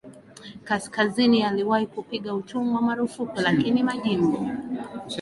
kaskazini yaliwahi kupiga utumwa marufuku lakini majimbo